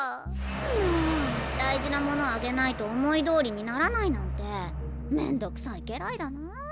もう大事なものあげないと思いどおりにならないなんてめんどくさい家来だなあ。